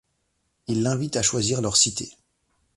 Ils l'invitent à choisir leur cité.